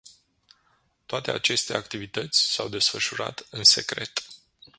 Toate aceste activități s-au desfășurat în secret.